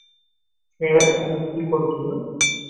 সে ওখানে কী করছিল?